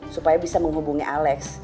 supaya bisa menghubungi alex